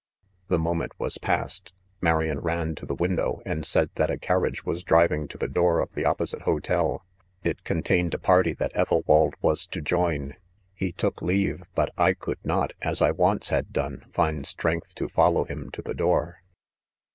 "''The moment was past*' .Marian ran to the window, and said that a carriage was driving to the door of the opposite hotel. • It con tained a party that Ethelwald was to j oin. He ' took leave . j but I could not, as I once had <done f find strength to follow bimto the door.